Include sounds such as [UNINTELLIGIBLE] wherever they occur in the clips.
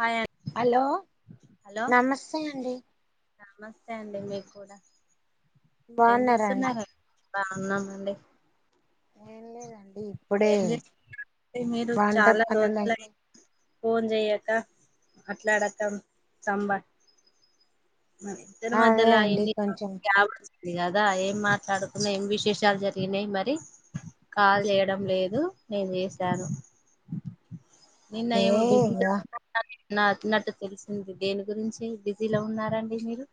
Hi అం hello hello నమస్తే అండి నమస్తే అండి మీకు కూడా బావున్నారా అం బావునమండి ఏం లేదండి ఇప్పుడే ఏం చేస్తు అంటే మీరు వంట చాలా రోజుల పనులైనాయి ఫోన్ చెయ్యక మాట్లాడక సంబ మన ఇద్దరు అదే మధ్యలా అండి ఎన్ని కొంచెం గ్యాప్స్ ఇది కదా ఏం మాట్లాడుకున్నా ఏం విశేషాలు జరిగినాయి మరి కాల్ చేయ టం లేదు నేను చేశాను నిన్న అదే ఏమో బిజల ఇగ నా అనట్టు తెలిసింది దేని గురించి బిజీలో ఉన్నారాండి మీరు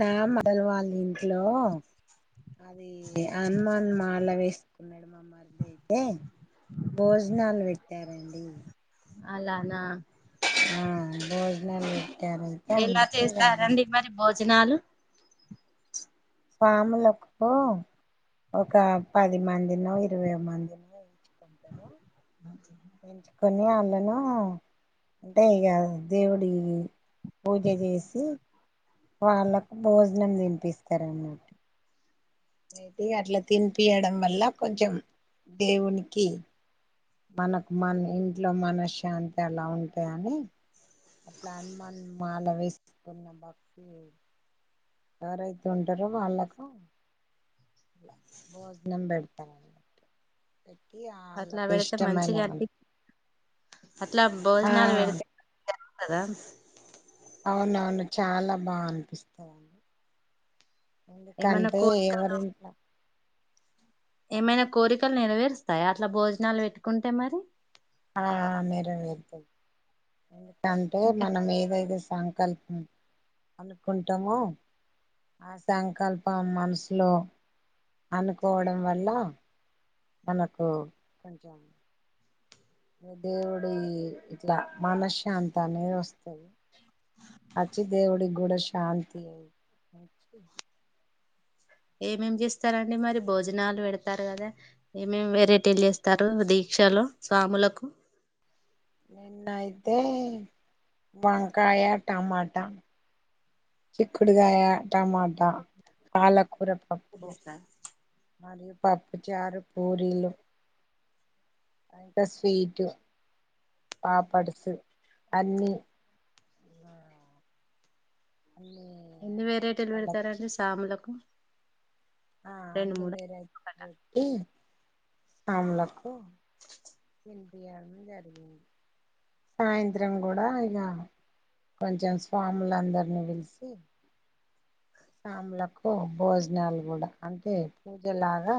నా మొదరలు వాళ్ళ ఇంట్లో డీ హనుమాన్ మాల వేస్ భోజనాలు పెట్టారండి అలానా ఆ [UNINTELLIGIBLE] ఎలా అందుకే కాదు చేస్తారండి మరి భోజనాలు స్వాములతో ఒక పది మందినో ఇరవై మందినో కొంటరరా ఎంచుకొని వాళ్ళను అంటే ఇగ దేవుడి పూజ జెసి వాళ్ళకు భోజనం తినిపిస్తారు అన్నమాట అయితే అట్లా తినిపియడం వల్ల కొంచెం దేవునికి మనకు మన ఇంట్లో మనశ్శాంతి అలా ఉంటాది అని అట్లా హనుమాన్ మాల వేసుకున్న భక్తి ఎవరైతే ఉంటారో వాళ్ళకు భోజనం పెడతాం అన్నమాట పెట్టి ఆ అట్లా వాళ్ళకి పెడితే ఇష్టమైన మంచిగా అనిపి వాళ్ళు అట్లా ఆ భోజనాలు పెడితే [INAUDIBLE] అవునవును చాలా బా అనిపిస్తది అం ఏమైనా ఎందుకంటే కోరికలు ఎవరింట్లా ఏమైనా కోరికలు నెరవేరుస్తాయి అట్లా భోజనాలు పెట్టుకుంటే మరి ఆ నెరవేర్తయ్ ఎందుకంటే ఇంకా మనం ఏదైతే సంకల్ప అనుకుంటామొ ఆ సంకల్పం మనసులో అనుకోవడం వల్ల మనకు కొంచం దేవుడి ఇట్లా మనశాంతనేది వస్తది అచ్చి దేవుడి గుడ శాంతి అచ్చి ఏమేమి చేస్తారండి మరి భోజనాలు పెడతారు కదా ఏమేమి వెరైటీలు చేస్తారు అది క్షలో సాములకు నిన్నయితే వంకాయ టమాటా చిక్కుడుకాయ టమాటా పాలకూర పప్పు మరియు పప్పుచారు పూరీలు ఇంకా స్వీట్ పాపడ్సు అన్నీ అన్నీ ఎన్ని వెరైటీలు వాళ్ళకి పెడతారండి సాములకు ఆ రెండు అన్ని మూడు వరైటీ పెట్టి సామ్లకు సాయంత్రం గూడా ఇగా కొంచెం స్వాములందరినీ పిలిసి సాములకు భోజనాలు గూడా అంటే పూజలాగా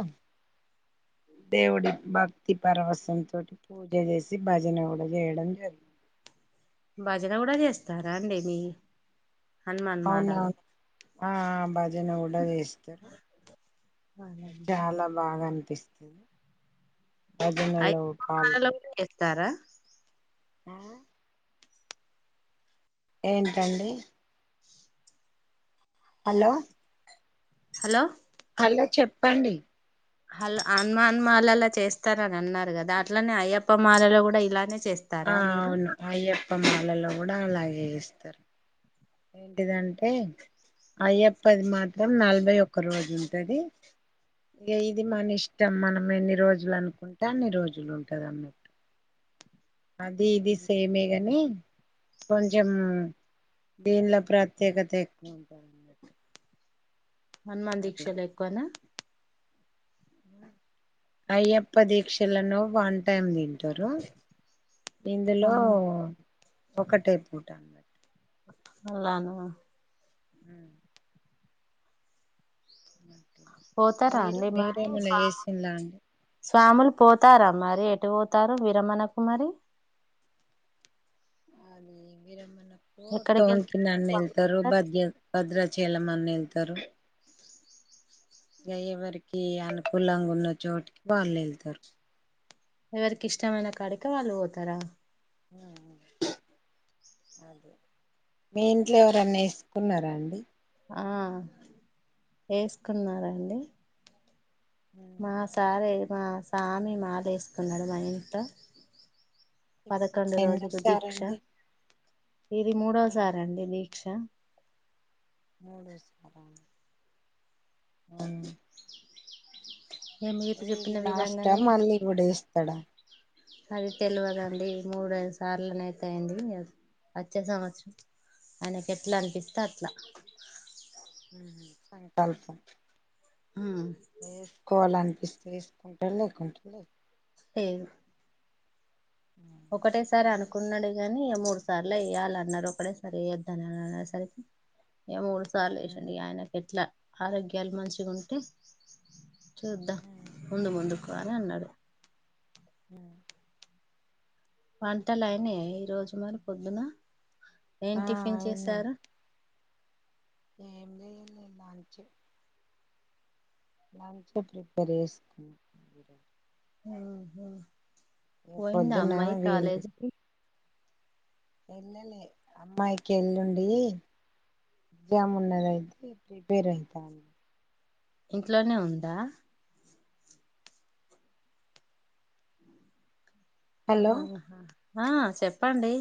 దేవుడి భక్తి పరవసం తోటి పూజ చేసి భజన కూడా చేయడం జరిగింది భజన గుడా చేస్తారా అండి మీ హనుమాన్ మాలలో అవునవున్ ఆ బజను కూడా జెస్తారు చాలా బాగా అనిపిస్ బజనలో పాల్ తార ఆ ఏంటండీ అల్లో హల్లో హల్లో చెప్పండి హెలొ అన్మాన్మాలల చేస్తార్ అన్అన్నార్ గద అట్లనే అయ్యప్ప మాలలో కూడా ఇలానే చేస్తారా ఆ మీరు అవును అయ్యప్పమాలలో కూడా అలాగే ఏస్తరు ఏంటిదంటే అయ్యప్పది మాత్రం నలభై ఒక్క రోజు ఉంటది. ఇగ ఇది మన ఇష్టం మనం ఎన్ని రోజుల్ అనుకుంటే అన్ని రోజులు ఉంటది అన్నట్టు. అది ఇది సెమేగని కొంచేం దీన్ల ప్రత్యేకత ఎక్కువ ఉంటంది. హనుమాన్ దీక్షల్ ఎక్కవన అయ్యప్ప దీక్షలను వన్ టైమ్ తింటరు ఇందులో ఆహా ఒకటె పూట అలానా మ్మ్ పోతారా మీరు అండి మీరేమన్నా [UNINTELLIGIBLE] చేసిన్లా అండి స్వాములు పోతారా మరి ఎటు వోతారు విరమణకుమరి అది విరమణకో ఎక్కడికి వెళ్తారు టోన్కినన స్వాములు ఏళ్తరు అందరూ భద్ర భద్రా చెల్లమన్న ఏళ్తారు ఇంగ ఎవరికి అనుకూలంగా ఉన్న చోటికి వాల్ ఏళ్తరు ఎవరికి ఇష్టమైన కాడికి వాళ్ళు వొతారా మ్ అదె మీ ఇంట్లో ఎవరన్న ఏసుకున్నారా అండి ఆ వేస్కున్నారండి మా సారే మా సామి మాల ఎస్కున్నాడ్ మా ఇంట్లో పదకొండు రోజులు దీక్ష ఎన్నోసారండి ఇది మూడవసారి అండి దీక్ష మూడో సారా ఉ మీరు ఇది చెప్పిన లాస్టా విధంగనే మళ్ళీ కూడా వేస్తాడా అది తెల్వదండి మూడుఐదు సార్లనైతే అయింది వచ్చే సంవత్సరం ఆయనకు ఎట్ల అనిపిస్తే అట్ల మ్ హ్ సంకల్పం ఉమ్ వేసుకోవలన్ ఇస్ తీస్కుంటా లేకుంటే లెదు ఏవ్ ఒకటేసారి అదే అనుకున్నడు గాని మూడు సార్లు ఏయ్యాల అన్నాడ్ ఒకటేసారి ఏయద్దని అనే సరికి ఏ మూడు సార్లు వేశిండు ఆయనకు ఎట్ల ఆరోగ్యాలు మంచిగుంటే చూద్దాం ముందు ముందుకు అని అన్నాడు. ఆ వంటలయినాయ ఈ రోజు మరి పొద్దున ఏం ఆ టిఫిన్ ఆయనే చేసారు ఏం లే [UNINTELLIGIBLE] లంచ్ ప్రిపేర్ చేస్కో ఆ హ్ పొద్దున్న విల్ కాలేజీకి ఎల్లలే అమ్మాయికి ఎల్లుండి ఎగ్జామ్ ఉన్నదయితే ప్రిపేర్ అయితాంది. ఇంట్లోనే ఉందా హలో ఆహా ఆ చెప్పండి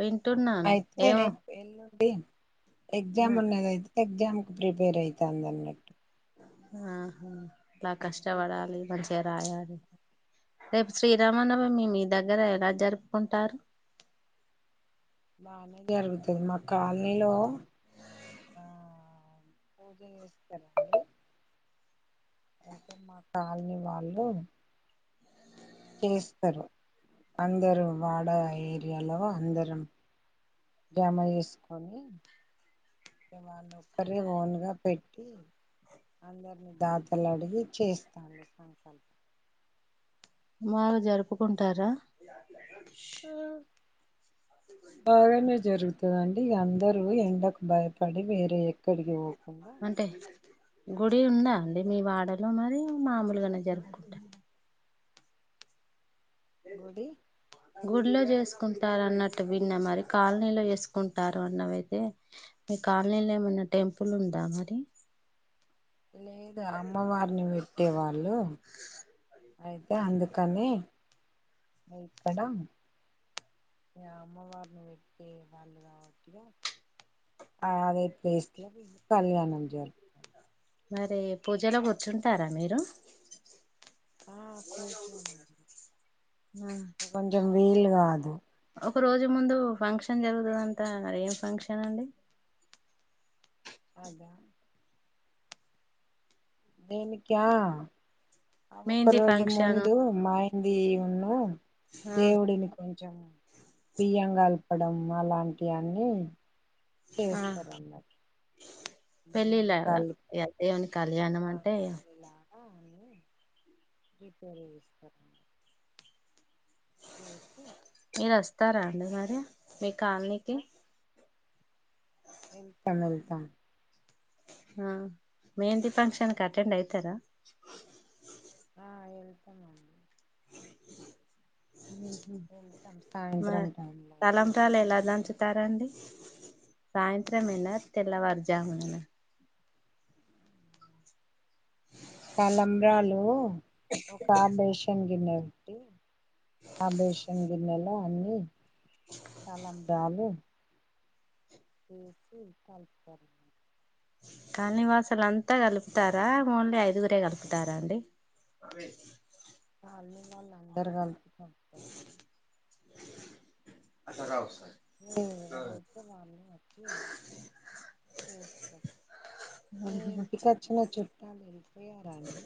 వింటున్నాను ఐతే ఏమో రేప్ ఎలుం డి ఎగ్జామ్ ఆ ఉన్నదిగ అయితే ఎగ్జామ్ కి ప్రిపేరైతందమే ఆహా ఇలా కష్టవడాలి మంచిగా రాయాలి రేప్ శ్రీరామనవమి మీ దగ్గర ఎలా జరుపుకుంటారు బానే జరుగుతున్ మా కాల్నీలో ఆ [UNINTELLIGIBLE] ఐతే మా కాల్నీ వాళ్ళు చేస్తరు అందరూ వాడ ఏరియాలో అందరం జమా జేస్కొని అంటే వాళ్లు ఒక్కరే ఓన్గా పెట్టి అందర్ని దాతలడిగి చేస్తారు సంకల్పం బాగ జరుపుకుంటారా అ బాగానే జరుపు తరండి ఇగ అందరూ ఎండక్ బైపడి వేరే ఎక్కడిక్ అంటే గుడి ఉందా అండి మీ వాడలో మరి మామూల్గానే జర్పుకుంట గుడి గుల్లో జేస్కుంటార్ అన్నట్టు విన్న మరి కాల్నీలో చేస్కుంటారు అన్నవైతే మీ కాల్నీలో ఏమన్నా టెంపుల్ ఉందా మరి లేదూ అమ్మవార్ని పెట్టే వాళ్ళు అయితే అందుకని ఇక్కడ ఇగ అమ్మవార్ని పెట్టే వాళ్ళు కావట్టిగా అదే ప్లేస్ల కళ్యాణం జరు మరి పూజలో కూర్చుంటారా మీరు ఆ కూర్చో ఆ కొంచం వీల్ గదు ఒక రోజు ముందు ఫంక్షన్ జరుగుతదంతా మరేం ఫంక్షన్ అండి. అదా దేనికి అ అ ఒక్క మెహందీ రోజు ఫంక్షన్ ముందు మాయ్ ది ఉను ఆ దేవుడిని కొం చం బియ్యం గల్పడం అలాంటియన్ని ఆ చేస్తార్ అందర్ బియ్యము పెళ్ళిలాగా కాల్ ఇగ దేవుని కళ్యాణం అ అంటే [UNINTELLIGIBLE] ఈ పేర్ ఎస్తరు మీరొస్తారా అండి మరి మీ కాల్నీకి ఎళ్తాం ఎళ్తాం ఆ మేంటి ఫంక్షన్ కటెండ్ అయితారా ఆ ఏళ్తామండి ఉహు వెళ్తాం సాయంత్రం మర్ టైంలో తలంబ్రల్ ఎలా దంచు తారండి సాయంత్రం మెన తెల్లవార్ జామునన తలంబ్రాలు ఒక బేషన్ గిన్నెట్టి ఆబేషన్ గిన్నెలో అన్ని తలంబ్రాలు ఏసి కల్పుతరు కాల్నివాసులంతా గల్పుతారా ఓన్లీ ఐదుగురే కల్పుతార అండి. అదే కాల్నీ వళ్ అందర్ గల్ అట రావస్ [UNINTELLIGIBLE] మీ ఇంటికోచ్చిన చుట్ట వాల్ వెళ్లిపోయారా అండి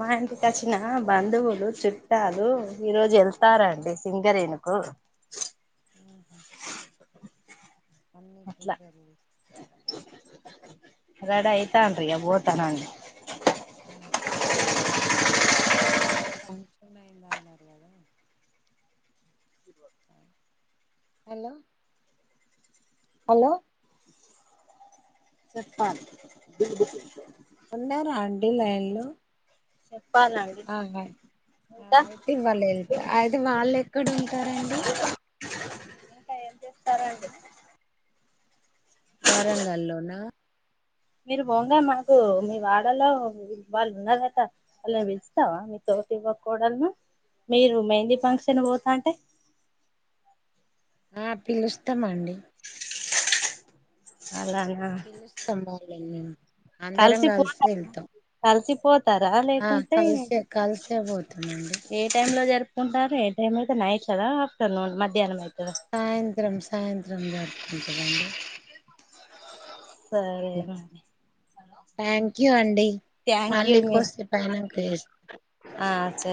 మా ఇంటికొచ్చిన బంధువులు చుట్టాలు ఈ రోజు వెళ్తారండి సింగరేనుకు ఉహు అన్నీ అట్లా ప్రిపేర్ చేస్తాండి రెడీ అయితాండ్రి ఇగ ఓతానం ఉ నిన్న ఫంక్షన్ అయిందన్నారు కదా హలో హలో చెప్పాలి ఉన్నారా అండి లైన్ లో చెప్పాలండి ఆ ఇంకా అ-అయితింగ్ వాళ్ళే అయితే వాళ్ళు ఎక్కడ ఉంటారు అండి ఇంక ఎం చేస్తునా హలో వరంగల్లో నా మీరు బోంగా మాకు మీ వాడలో వాళ్ళున్నారట వాళ్ళని పిలుస్తావా మీతో పోసెవ్వ కోడల్ను మీరు మెంది ఫంక్షన్ పోతాంటే ఆ పిలుస్తామండి అలానా పిల్లుస్తమాలని అందరం కలిస్తే వెళ్తాం తరా ఆ లేకుంటే కలిసే కలిసే పోతామండి ఏ టైంలో జరుపు కుంటారు ఏ టైమైతే నైట్లనా ఆఫ్టర్నూన్ మధ్యాహ్నం అయితే సాయంత్రం సాయంత్రం జరుపుకుంటమండి సరే మరి థ్యాంక్ యూ అండి థ్యాంక్యూ మళ్ళీ మిస్ కోసేపు అయినంక చేస్తా